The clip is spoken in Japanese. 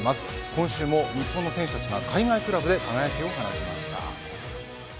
今週も日本の選手たちが海外クラブで輝きを放ちました。